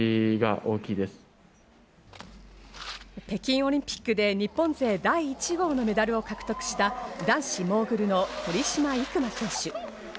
北京オリンピックで日本勢第１号のメダルを獲得した男子モーグルの堀島行真選手。